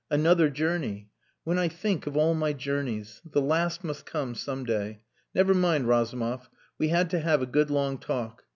Another journey. When I think of all my journeys! The last must come some day. Never mind, Razumov. We had to have a good long talk.